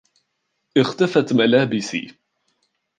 اختفت ملابسي.